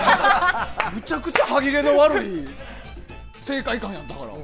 めちゃくちゃ歯切れの悪い正解感やったから。